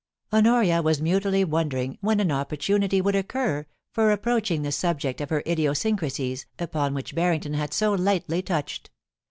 HoNORiA was mutely wondering when an opportunity would occur for approaching the subject of her idiosyncrasies, upon which Barrington had so lightly touched.